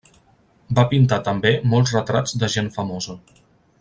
Va pintar també molts retrats de gent famosa.